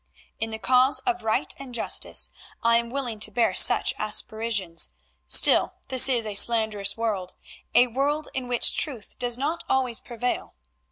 In the cause of right and justice I am willing to bear such aspersions; still this is a slanderous world, a world in which truth does not always prevail.